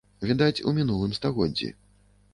Відаць, у мінулым стагоддзі.